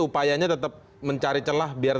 upayanya tetap mencari celah biar